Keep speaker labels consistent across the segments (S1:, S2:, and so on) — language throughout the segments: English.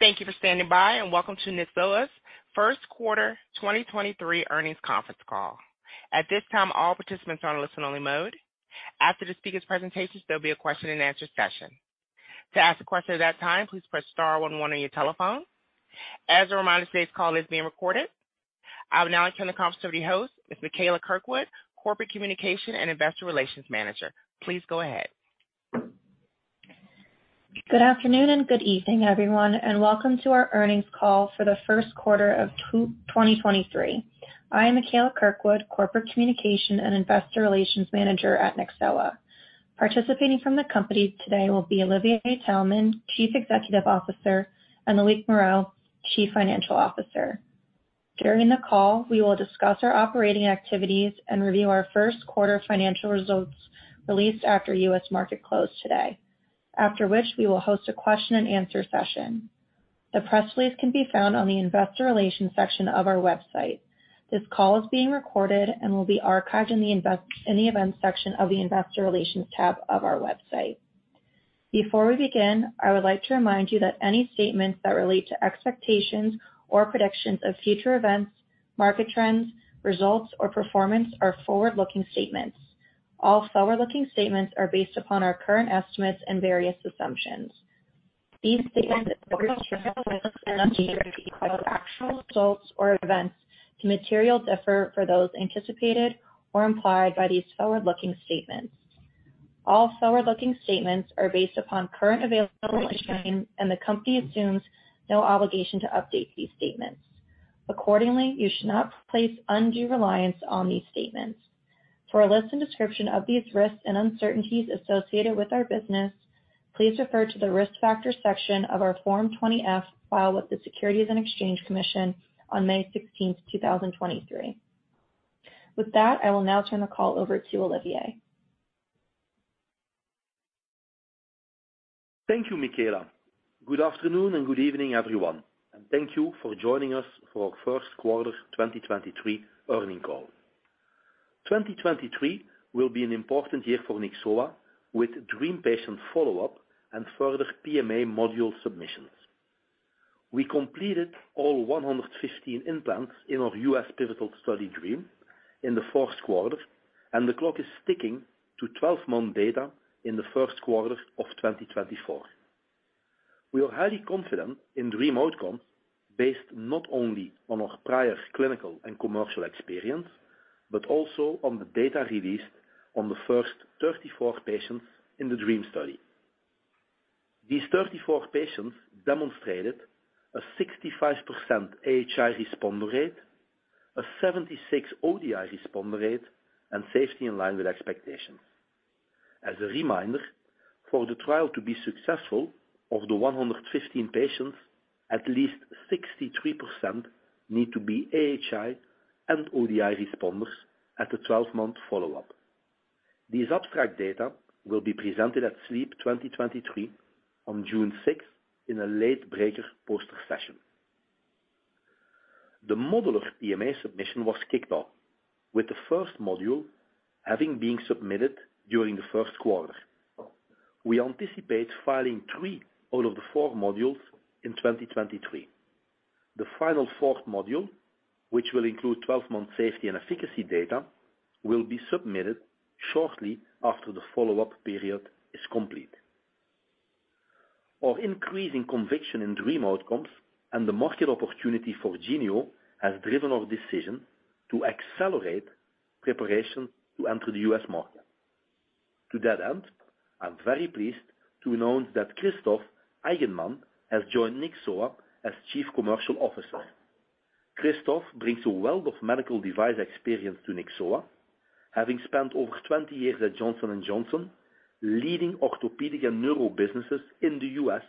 S1: Thank you for standing by. Welcome to Nyxoah's First Quarter 2023 Earnings Conference Call. At this time, all participants are on listen-only mode. After the speaker's presentations, there'll be a question-and-answer session. To ask a question at that time, please press star one one on your telephone. As a reminder, today's call is being recorded. I will now turn the conference over to your host, Ms. Mikaela Kirkwood, corporate communication and investor relations manager. Please go ahead.
S2: Good afternoon and good evening, everyone, and welcome to our earnings call for the first quarter of 2023. I am Mikaela Kirkwood, Corporate Communication and Investor Relations Manager at Nyxoah. Participating from the company today will be Olivier Taelman, Chief Executive Officer, and Loic Moreau, Chief Financial Officer. During the call, we will discuss our operating activities and review our first quarter financial results released after U.S. market close today, after which we will host a question-and-answer session. The press release can be found on the Investor Relations section of our website. This call is being recorded and will be archived in the events section of the Investor Relations tab of our website. Before we begin, I would like to remind you that any statements that relate to expectations or predictions of future events, market trends, results, or performance are forward-looking statements. All forward-looking statements are based upon our current estimates and various assumptions. These statements cause actual results or events to material differ for those anticipated or implied by these forward-looking statements. All forward-looking statements are based upon current available information, and the Company assumes no obligation to update these statements. Accordingly, you should not place undue reliance on these statements. For a list and description of these risks and uncertainties associated with our business, please refer to the Risk Factors section of our Form 20-F filed with the Securities and Exchange Commission on May 16th, 2023. With that, I will now turn the call over to Olivier.
S3: Thank you, Mikaela. Good afternoon and good evening, everyone, and thank you for joining us for our first quarter 2023 earning call. 2023 will be an important year for Nyxoah with DREAM patient follow-up and further PMA module submissions. We completed all 115 implants in our U.S. pivotal study DREAM in the fourth quarter, and the clock is ticking to 12-month data in the first quarter of 2024. We are highly confident in DREAM outcomes based not only on our prior clinical and commercial experience, but also on the data released on the first 34 patients in the DREAM study. These 34 patients demonstrated a 65% AHI responder rate, a 76% ODI responder rate, and safety in line with expectations. As a reminder, for the trial to be successful, of the 115 patients, at least 63% need to be AHI and ODI responders at the 12-month follow-up. These abstract data will be presented at SLEEP 2023 on June sixth in a late breaker poster session. The modular PMA submission was kicked off, with the first module having been submitted during the first quarter. We anticipate filing three out of the four modules in 2023. The final fourth module, which will include 12-month safety and efficacy data, will be submitted shortly after the follow-up period is complete. Our increasing conviction in DREAM outcomes and the market opportunity for Genio has driven our decision to accelerate preparation to enter the U.S. market. To that end, I'm very pleased to announce that Christoph Eigenmann has joined Nyxoah as Chief Commercial Officer. Christoph brings a wealth of medical device experience to Nyxoah, having spent over 20 years at Johnson & Johnson leading orthopedic and neuro businesses in the U.S.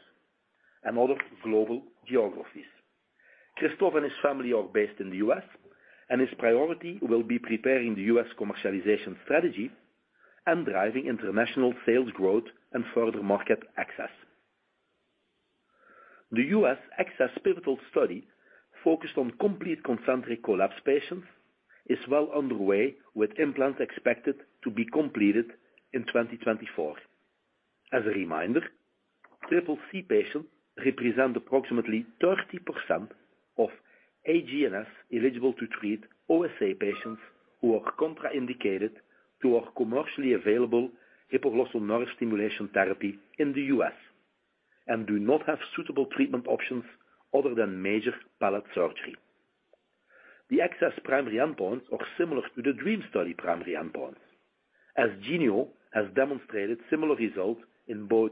S3: and other global geographies. His priority will be preparing the U.S. commercialization strategy and driving international sales growth and further market access. The U.S. ACCESS pivotal study, focused on complete concentric collapse patients, is well underway, with implants expected to be completed in 2024. As a reminder, CCC patients represent approximately 30% of AGNS-eligible-to-treat OSA patients who are contraindicated to our commercially available hypoglossal nerve stimulation therapy in the U.S. and do not have suitable treatment options other than major palate surgery. The ACCESS primary endpoints are similar to the DREAM study primary endpoints, as Genio has demonstrated similar results in both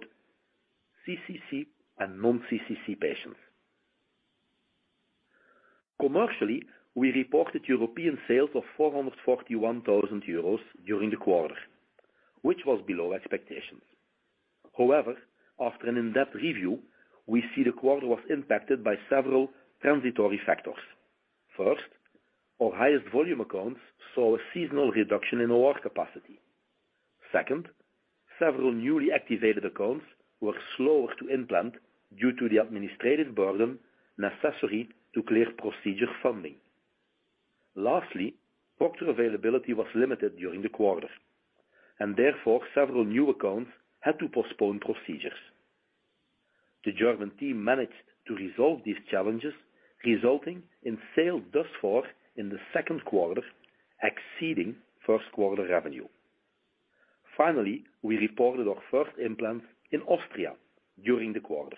S3: CCC and non-CCC patients. Commercially, we reported European sales of 441,000 euros during the quarter, which was below expectations. After an in-depth review, we see the quarter was impacted by several transitory factors. First, our highest volume accounts saw a seasonal reduction in OR capacity. Second, several newly activated accounts were slower to implant due to the administrative burden necessary to clear procedure funding. Lastly, product availability was limited during the quarter, and therefore, several new accounts had to postpone procedures. The German team managed to resolve these challenges, resulting in sales thus far in the second quarter, exceeding first quarter revenue. We reported our first implant in Austria during the quarter.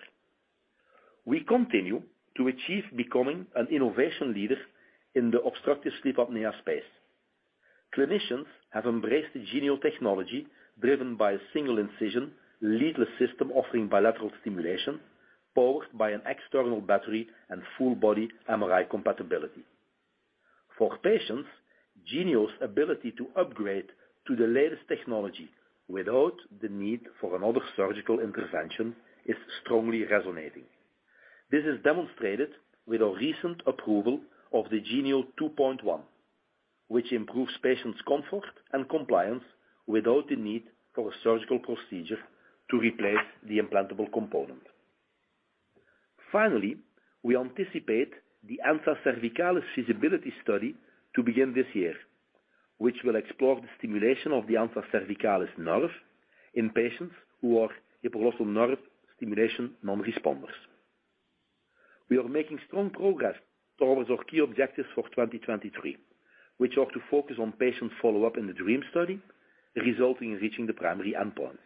S3: We continue to achieve becoming an innovation leader in the Obstructive Sleep Apnea space. Clinicians have embraced the Genio technology driven by a single incision, leadless system offering bilateral stimulation, powered by an external battery and full-body MRI compatibility. For patients, Genio's ability to upgrade to the latest technology without the need for another surgical intervention is strongly resonating. This is demonstrated with our recent approval of the Genio 2.1, which improves patients' comfort and compliance without the need for a surgical procedure to replace the implantable component. We anticipate the ansa cervicalis feasibility study to begin this year, which will explore the stimulation of the ansa cervicalis nerve in patients who are hypoglossal nerve stimulation non-responders. We are making strong progress towards our key objectives for 2023, which are to focus on patient follow-up in the DREAM study, resulting in reaching the primary endpoints.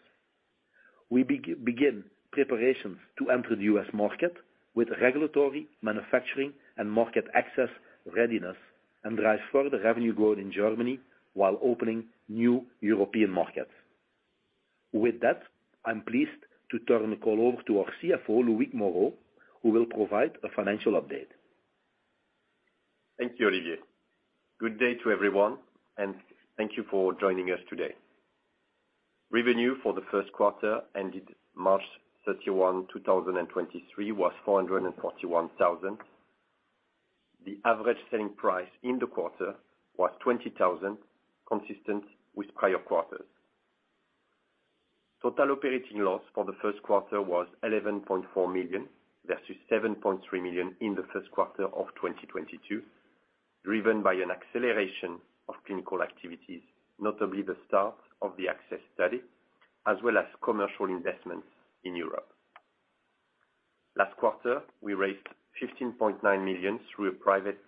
S3: We begin preparations to enter the U.S. market with regulatory, manufacturing, and market access readiness and drive further revenue growth in Germany while opening new European markets. With that, I'm pleased to turn the call over to our CFO, Loic Moreau, who will provide a financial update.
S4: Thank you, Olivier. Good day to everyone, and thank you for joining us today. Revenue for the first quarter ended March 31, 2023, was 441,000. The average selling price in the quarter was 20,000, consistent with prior quarters. Total operating loss for the first quarter was 11.4 million versus 7.3 million in the first quarter of 2022, driven by an acceleration of clinical activities, notably the start of the ACCESS study, as well as commercial investments in Europe. Last quarter, we raised 15.9 million through a private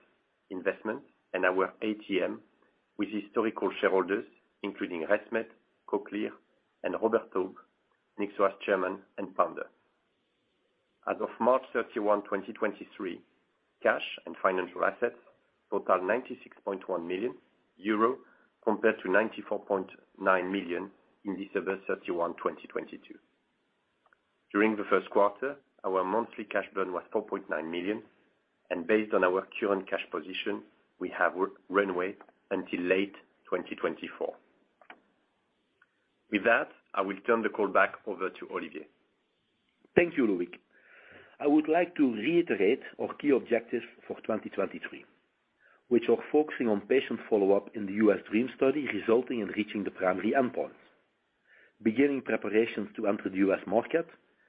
S4: investment in our ATM with historical shareholders, including ResMed, Cochlear, and Robert Taub, Nyxoah's Chairman and Founder. As of March 31, 2023, cash and financial assets totaled 96.1 million euro compared to 94.9 million in December 31, 2022. During the first quarter, our monthly cash burn was 4.9 million, and based on our current cash position, we have runway until late 2024. With that, I will turn the call back over to Olivier.
S3: Thank you, Loic. I would like to reiterate our key objectives for 2023, which are focusing on patient follow-up in the U.S. DREAM study, resulting in reaching the primary endpoints, beginning preparations to enter the U.S. market,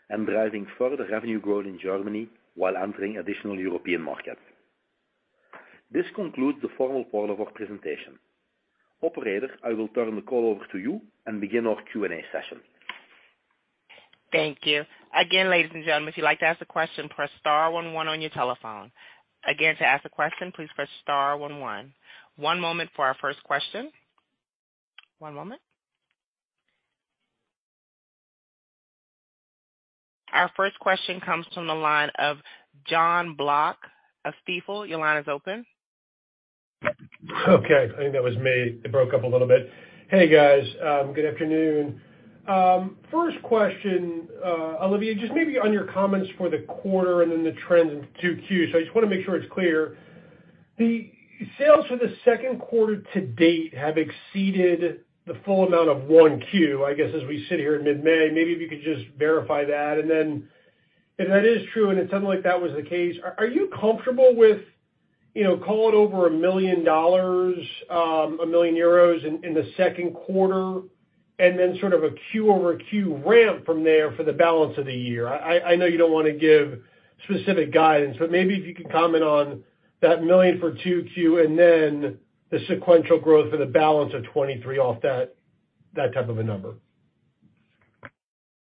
S3: and driving further revenue growth in Germany while entering additional European markets. This concludes the formal part of our presentation. Operator, I will turn the call over to you and begin our Q&A session.
S1: Thank you. Again, ladies and gentlemen, if you'd like to ask a question, press star one one on your telephone. Again, to ask a question, please press star one one. One moment for our first question. One moment. Our first question comes from the line of Jonathan Block of Stifel. Your line is open.
S5: Okay. I think that was me. It broke up a little bit. Hey, guys. Good afternoon. First question, Olivier Taelman, just maybe on your comments for the quarter and then the trends in 2Q. I just wanna make sure it's clear. The sales for the 2Q to date have exceeded the full amount of 1Q. I guess, as we sit here in mid-May, maybe if you could just verify that. Then if that is true, and it sounded like that was the case, are you comfortable with, you know, call it over EUR 1 million in 2Q and then sort of a QoQ ramp from there for the balance of the year? I know you don't wanna give specific guidance, maybe if you could comment on that 1 million for 2Q and then the sequential growth for the balance of 2023 off that type of a number?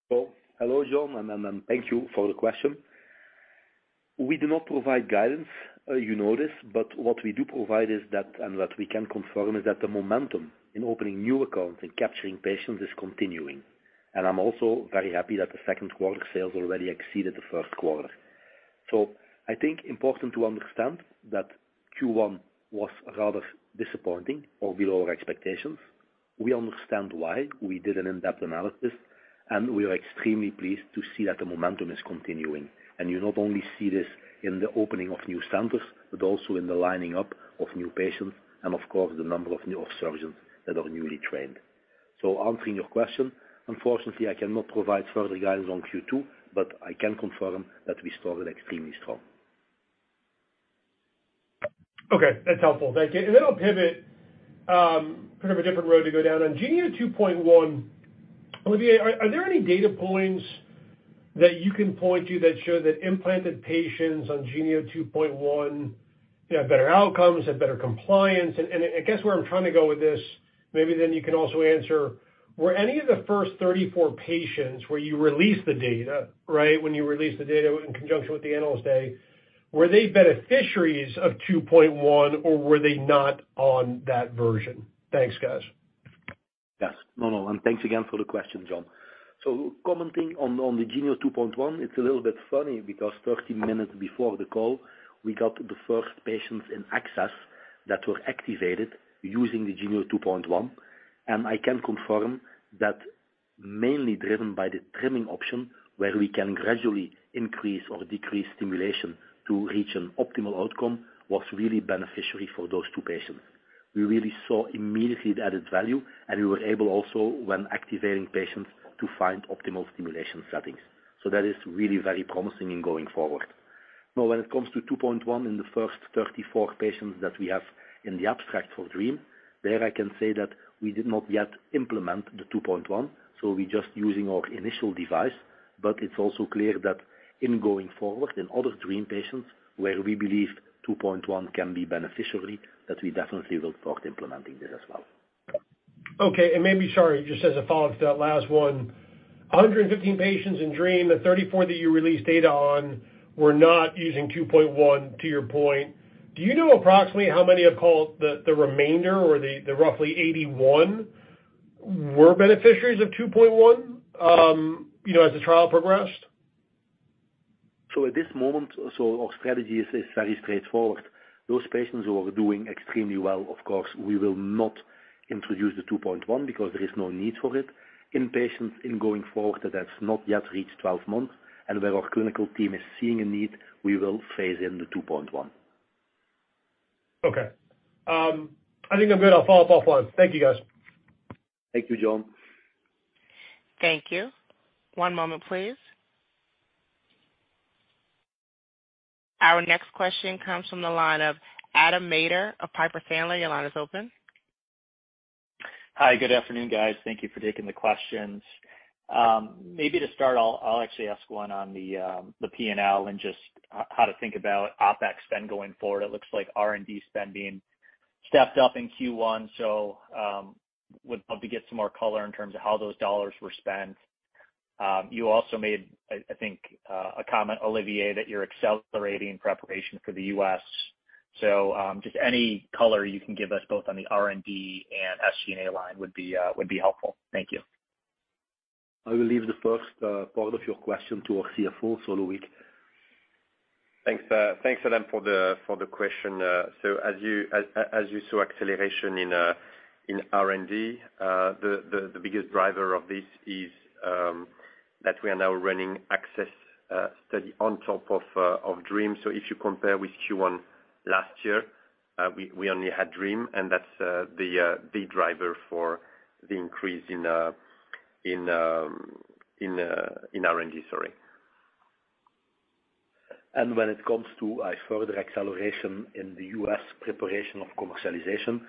S3: Well, hello, Jon, and thank you for the question. We do not provide guidance, you know this. What we do provide is that, and what we can confirm is that the momentum in opening new accounts and capturing patients is continuing. I'm also very happy that the second quarter sales already exceeded the first quarter. I think important to understand that Q1 was rather disappointing or below our expectations. We understand why. We did an in-depth analysis, and we are extremely pleased to see that the momentum is continuing. You not only see this in the opening of new centers, but also in the lining up of new patients and of course, the number of surgeons that are newly trained. Answering your question, unfortunately, I cannot provide further guidance on Q2, but I can confirm that we started extremely strong.
S5: Okay. That's helpful. Thank you. I'll pivot, kind of a different road to go down. On Genio 2.1, Olivier, are there any data points that you can point to that show that implanted patients on Genio 2.1 have better outcomes, have better compliance. I guess where I'm trying to go with this, maybe then you can also answer, were any of the first 34 patients where you released the data, right, when you released the data in conjunction with the analyst day, were they beneficiaries of 2.1, or were they not on that version? Thanks, guys.
S3: Yes. No, no, thanks again for the question, Jonathan Block. Commenting on the Genio 2.1, it's a little bit funny because 30 minutes before the call, we got the first patients in ACCESS that were activated using the Genio 2.1. I can confirm that mainly driven by the trimming option, where we can gradually increase or decrease stimulation to reach an optimal outcome, was really beneficiary for those 2 patients. We really saw immediately the added value, and we were able also when activating patients to find optimal stimulation settings. That is really very promising in going forward. Now, when it comes to 2.1 in the first 34 patients that we have in the abstract for DREAM, there I can say that we did not yet implement the 2.1, so we're just using our initial device. It's also clear that in going forward, in other DREAM patients, where we believe 2.1 can be beneficiary, that we definitely will start implementing this as well.
S5: Okay. Maybe, sorry, just as a follow-up to that last one. 115 patients in DREAM, the 34 that you released data on, were not using 2.1, to your point. Do you know approximately how many of, call it, the remainder or the roughly 81 were beneficiaries of 2.1, you know, as the trial progressed?
S3: At this moment, our strategy is very straightforward. Those patients who are doing extremely well, of course, we will not introduce the 2.1 because there is no need for it. In patients in going forward that has not yet reached 12 months, and where our clinical team is seeing a need, we will phase in the 2.1.
S5: Okay. I think I'm good. I'll follow up offline. Thank you, guys.
S3: Thank you, Jonathan Block.
S1: Thank you. One moment, please. Our next question comes from the line of Adam Maeder of Piper Sandler. Your line is open.
S6: Hi. Good afternoon, guys. Thank you for taking the questions. Maybe to start, I'll actually ask one on the P&L and just how to think about OpEx spend going forward. It looks like R&D spending stepped up in Q1, so would love to get some more color in terms of how those dollars were spent. You also made, I think a comment, Olivier, that you're accelerating preparation for the U.S. Just any color you can give us both on the R&D and SG&A line would be helpful. Thank you.
S3: I will leave the first part of your question to our CFO, so Loic.
S4: Thanks, Adam, for the question. As you saw acceleration in R&D, the biggest driver of this is that we are now running ACCESS study on top of DREAM. If you compare with Q1 last year, we only had DREAM, and that's the driver for the increase in R&D. Sorry.
S3: When it comes to a further acceleration in the US preparation of commercialization,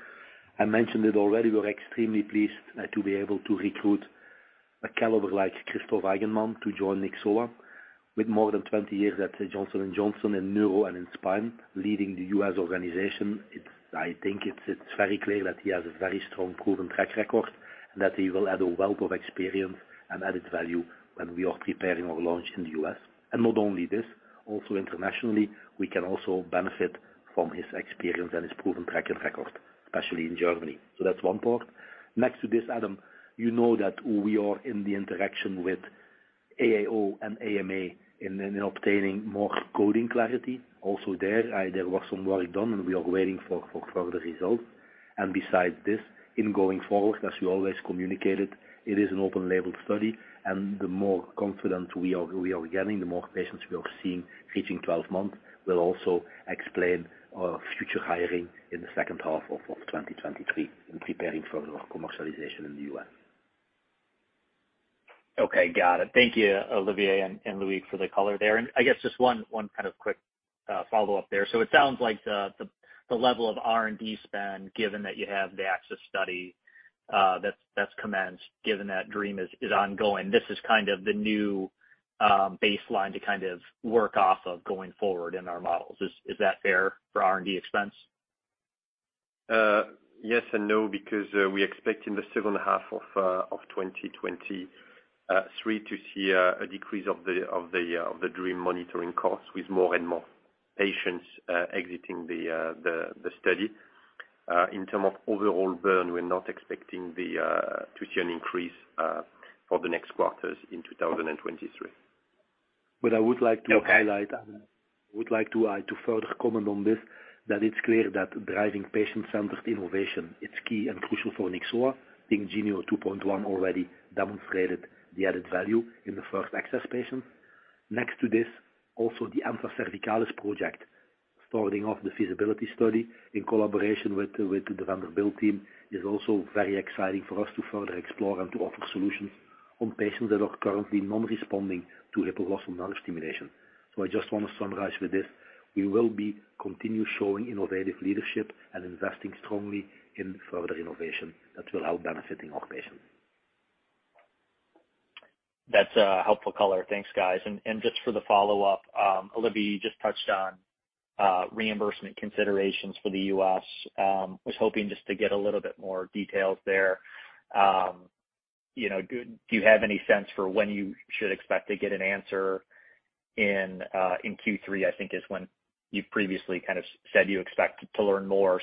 S3: I mentioned it already, we are extremely pleased to be able to recruit a caliber like Christoph Eigenmann to join Nyxoah. With more than 20 years at Johnson & Johnson in neuro and in spine, leading the US organization, I think it's very clear that he has a very strong proven track record, and that he will add a wealth of experience and added value when we are preparing our launch in the US. Not only this, also internationally, we can also benefit from his experience and his proven track record, especially in Germany. That's one part. Next to this, Adam, you know that we are in the interaction with AAO and AMA in obtaining more coding clarity. Also there was some work done, and we are waiting for further results. Besides this, in going forward, as we always communicated, it is an open label study. The more confident we are getting, the more patients we are seeing reaching 12 months, will also explain our future hiring in the second half of 2023 in preparing further commercialization in the US.
S6: Okay. Got it. Thank you, Olivier Taelman and Loic for the color there. I guess just one kind of quick follow-up there. It sounds like the level of R&D spend, given that you have the ACCESS study that's commenced, given that DREAM is ongoing, this is kind of the new baseline to kind of work off of going forward in our models. Is that fair for R&D expense?
S4: Yes and no, because we expect in the second half of 2023 to see a decrease of the DREAM monitoring costs with more and more patients exiting the study. In term of overall burn, we're not expecting to see an increase for the next quarters in 2023.
S3: I would like to highlight-
S6: Okay.
S3: I would like to further comment on this, that it's clear that driving patient-centered innovation, it's key and crucial for Nyxoah. I think Genio 2.1 already demonstrated the added value in the first ACCESS patients. Next to this, also the ansa cervicalis project, starting off the feasibility study in collaboration with the Vanderbilt team, is also very exciting for us to further explore and to offer solutions on patients that are currently non-responding to hypoglossal nerve stimulation. I just want to summarize with this. We will be continue showing innovative leadership and investing strongly in further innovation that will help benefiting our patients.
S6: That's a helpful color. Thanks, guys. Just for the follow-up, Olivier, you just touched on reimbursement considerations for the U.S. Was hoping just to get a little bit more details there. You know, do you have any sense for when you should expect to get an answer in Q3, I think is when you previously kind of said you expect to learn more.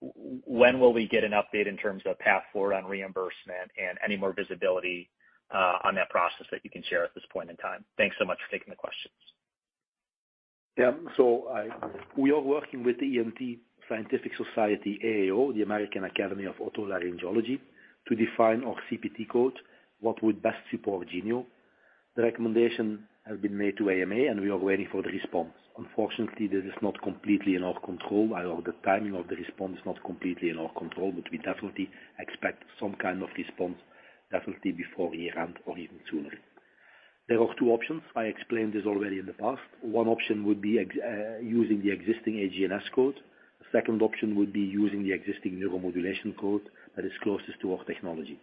S6: When will we get an update in terms of path forward on reimbursement and any more visibility on that process that you can share at this point in time? Thanks so much for taking the questions.
S3: I-- We are working with the ENT scientific society, AAO, the American Academy of Otolaryngology, to define our CPT code, what would best support Genio. The recommendation has been made to AMA. We are waiting for the response. Unfortunately, this is not completely in our control. I know the timing of the response is not completely in our control. We definitely expect some kind of response definitely before year-end or even sooner. There are two options. I explained this already in the past. One option would be using the existing AGNS code. The second option would be using the existing neuromodulation code that is closest to our technology.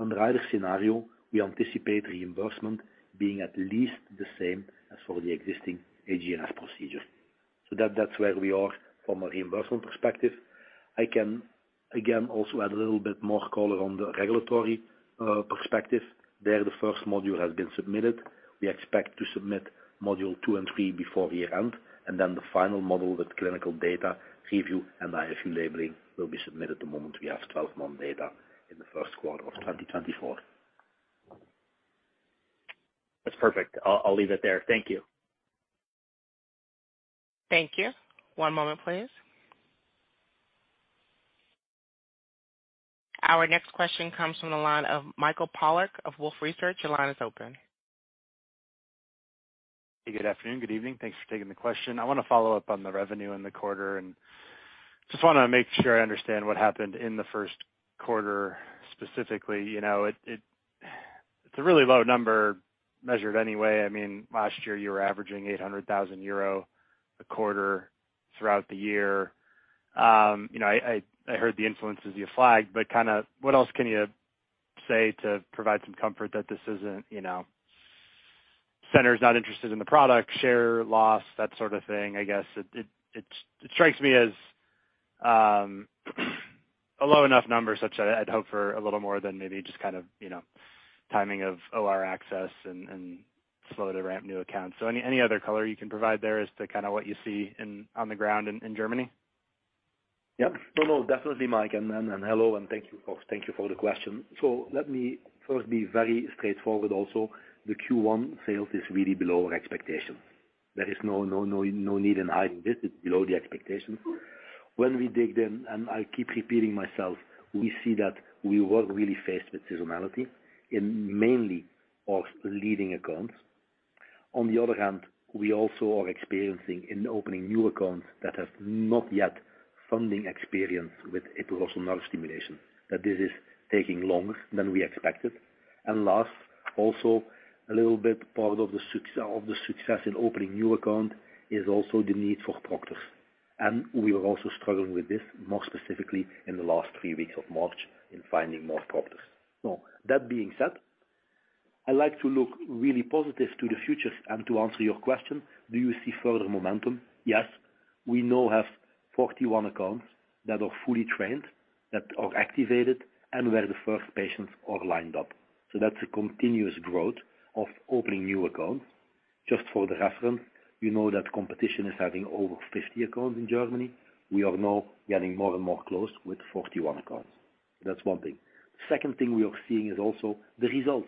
S3: Under either scenario, we anticipate reimbursement being at least the same as for the existing AGNS procedure. That's where we are from a reimbursement perspective. I can, again, also add a little bit more color on the regulatory perspective. There, the first module has been submitted. We expect to submit module 2 and 3 before year-end, and then the final module with clinical data review and IFU labeling will be submitted the moment we have 12 month data in the first quarter of 2024.
S6: That's perfect. I'll leave it there. Thank you.
S1: Thank you. One moment, please. Our next question comes from the line of Mike Polark of Wolfe Research. Your line is open.
S7: Hey, good afternoon, good evening. Thanks for taking the question. I wanna follow up on the revenue in the quarter and just wanna make sure I understand what happened in the first quarter specifically. You know, it's a really low number measured anyway. I mean, last year, you were averaging 800,000 euro a quarter throughout the year. You know, I heard the influences you flagged, but kinda what else can you say to provide some comfort that this isn't, you know, centers not interested in the product, share loss, that sort of thing, I guess. It strikes me as a low enough number such that I'd hope for a little more than maybe just kind of, you know, timing of OR access and slow to ramp new accounts. Any other color you can provide there as to kinda what you see on the ground in Germany?
S3: Yeah. No, definitely, Mike. Hello and thank you for the question. Let me first be very straightforward also. The Q1 sales is really below our expectation. There is no need in hiding this. It's below the expectation. When we dig in, and I keep repeating myself, we see that we were really faced with seasonality in mainly our leading accounts. On the other hand, we also are experiencing in opening new accounts that have not yet funding experience with hypoglossal nerve stimulation, that this is taking longer than we expected. Last, also a little bit part of the success in opening new account is also the need for proctors. We were also struggling with this, more specifically in the last three weeks of March, in finding more proctors. That being said, I like to look really positive to the future. To answer your question, do you see further momentum? Yes. We now have 41 accounts that are fully trained, that are activated, and where the first patients are lined up. That's a continuous growth of opening new accounts. Just for the reference, we know that competition is having over 50 accounts in Germany. We are now getting more and more close with 41 accounts. That's one thing. Second thing we are seeing is also the result,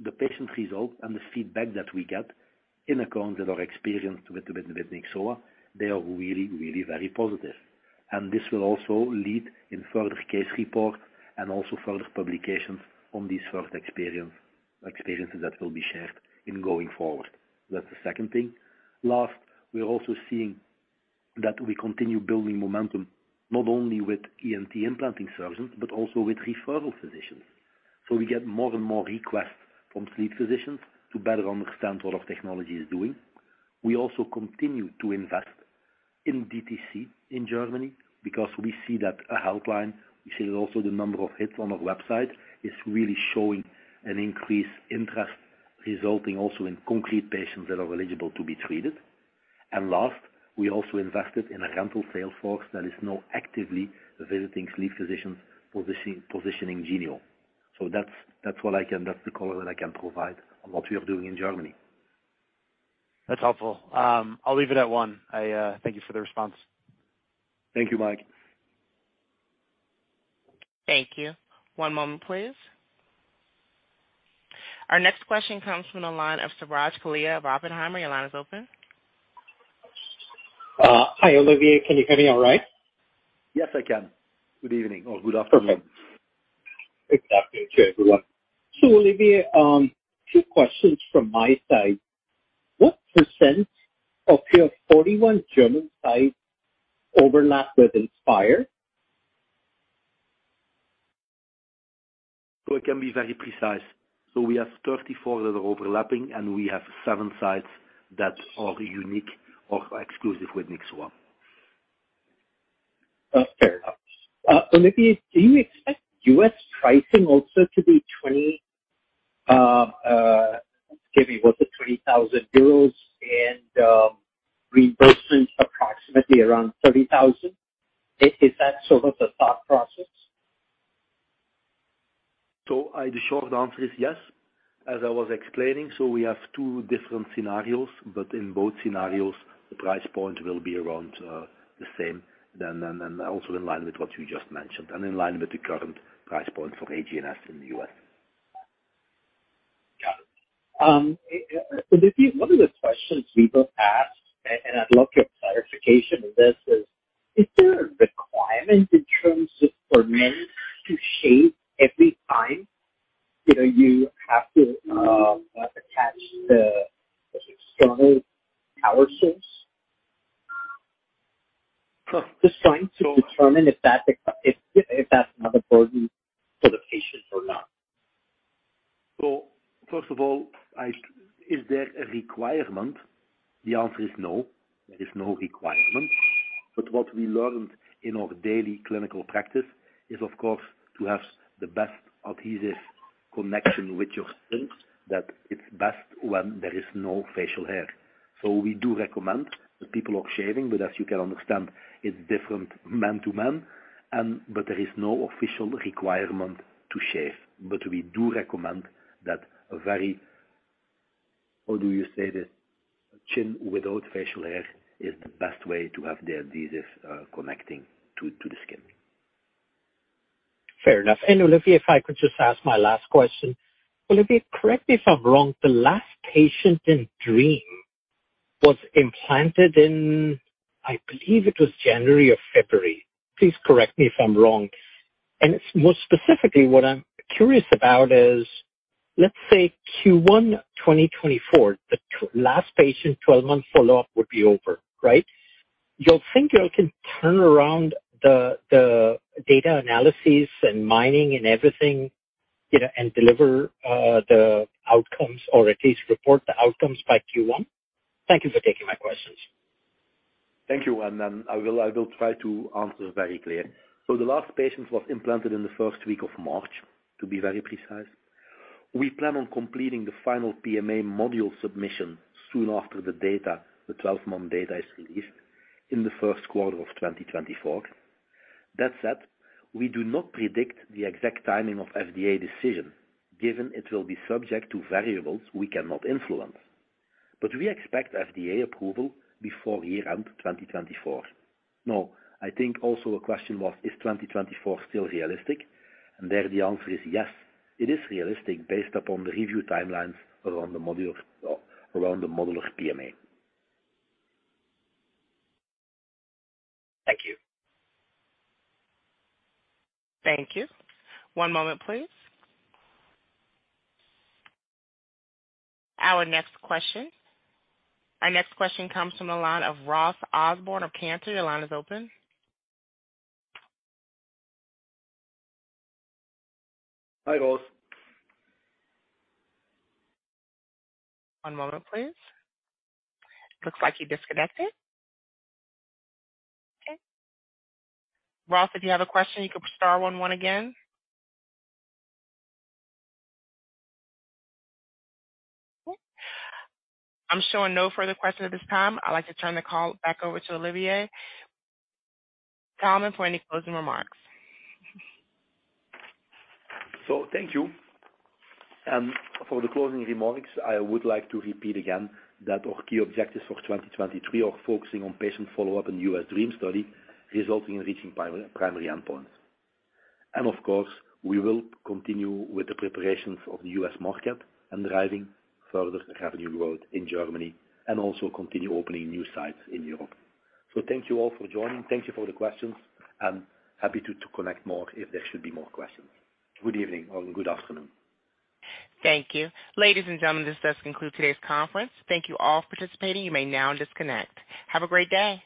S3: the patient result and the feedback that we get in accounts that are experienced with Nyxoah, they are really very positive. This will also lead in further case report and also further publications on these first experience that will be shared in going forward. That's the second thing. Last, we are also seeing that we continue building momentum not only with ENT implanting surgeons, but also with referral physicians. We get more and more requests from sleep physicians to better understand what our technology is doing. We also continue to invest in DTC in Germany because we see that a helpline, we see that also the number of hits on our website is really showing an increased interest resulting also in concrete patients that are eligible to be treated. Last, we also invested in a rental sales force that is now actively visiting sleep physicians positioning Genio. That's the color that I can provide on what we are doing in Germany.
S7: That's helpful. I'll leave it at one. I, thank you for the response.
S3: Thank you, Mike.
S1: Thank you. One moment, please. Our next question comes from the line of Suraj Kalia of Oppenheimer. Your line is open.
S8: Hi, Olivier. Can you hear me all right?
S3: Yes, I can. Good evening or good afternoon.
S8: Good afternoon to everyone. Olivier, two questions from my side. What percentage of your 41 German sites overlap with Inspire?
S3: It can be very precise. We have 34 that are overlapping, and we have 7 sites that are unique or exclusive with Nyxoah.
S8: Fair enough. Olivier, do you expect U.S. pricing also to be 20, excuse me. Was it 20,000 euros and reimbursement approximately around 30,000? Is that sort of the thought process?
S3: The short answer is yes. As I was explaining, we have two different scenarios. In both scenarios, the price point will be around the same then and also in line with what you just mentioned and in line with the current price point for AGNS in the US.
S8: Got it. Olivier, one of the questions we both asked, and I'd love your clarification on this, is if there are requirements in terms of for men to shave every time, you know, you have to attach the external power source. Just trying to determine if that's another burden for the patient or not.
S3: First of all, Is there a requirement? The answer is no. There is no requirement. What we learned in our daily clinical practice is of course to have the best adhesive connection with your skin, that it's best when there is no facial hair. We do recommend that people are shaving, as you can understand, it's different man to man and but there is no official requirement to shave. We do recommend that a very... How do you say this? Chin without facial hair is the best way to have the adhesive connecting to the skin.
S8: Fair enough. Olivier, if I could just ask my last question. Olivier, correct me if I'm wrong, the last patient in DREAM was implanted in, I believe it was January or February. Please correct me if I'm wrong. More specifically, what I'm curious about is, let's say Q1 2024, the last patient 12-month follow-up would be over, right? You'll think you can turn around the data analyses and mining and everything, you know, and deliver the outcomes or at least report the outcomes by Q1. Thank you for taking my questions.
S3: Thank you. I will try to answer very clear. The last patient was implanted in the first week of March, to be very precise. We plan on completing the final PMA module submission soon after the data, the 12-month data is released in the 1st quarter of 2024. That said, we do not predict the exact timing of FDA decision, given it will be subject to variables we cannot influence. We expect FDA approval before year-end 2024. I think also a question was, is 2024 still realistic? There the answer is yes, it is realistic based upon the review timelines around the module, around the modular PMA.
S8: Thank you.
S1: Thank you. One moment, please. Our next question comes from the line of Ross Osborn of Cantor. Your line is open.
S3: Hi, Ross.
S1: One moment please. Looks like you disconnected. Okay. Ross, if you have a question, you can star one one again. I'm showing no further questions at this time. I'd like to turn the call back over to Olivier Taelman for any closing remarks.
S3: Thank you. For the closing remarks, I would like to repeat again that our key objectives for 2023 are focusing on patient follow-up in the U.S. DREAM study, resulting in reaching primary endpoints. Of course, we will continue with the preparations of the U.S. market and driving further revenue growth in Germany and also continue opening new sites in Europe. Thank you all for joining. Thank you for the questions and happy to connect more if there should be more questions. Good evening or good afternoon.
S1: Thank you. Ladies and gentlemen, this does conclude today's conference. Thank you all for participating. You may now disconnect. Have a great day.